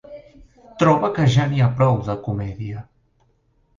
Troba que ja n'hi ha prou, de comèdia.